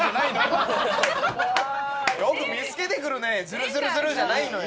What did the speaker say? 「よく見つけてくるねズルズルズル」じゃないのよ。